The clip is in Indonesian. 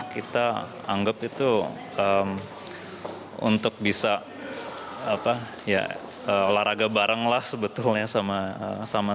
kita anggap itu untuk bisa apa ya olahraga bareng lah sebetulnya sama sama